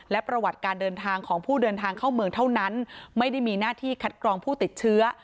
และประวัติการเดินทางของผู้เดินทางเข้าเมืองเท่านั้นไม่ได้มีหน้าที่คัดกรองผู้ติดเชื้อ